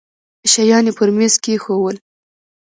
شيان يې پر ميز کښېښوول.